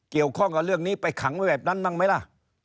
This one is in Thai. เกี่ยวข้องกับเรื่องนี้ไปขังไว้แบบนั้นบ้างไหมล่ะ